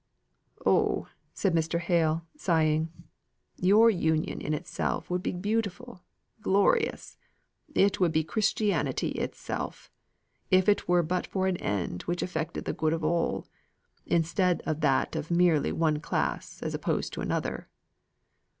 "Oh!" said Mr. Hale, sighing, "your Union in itself would be beautiful, glorious it would be Christianity itself if it were but for an end which affected the good of all, instead of that of merely one class as opposed to another."